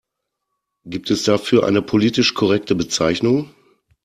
Gibt es dafür eine politisch korrekte Bezeichnung?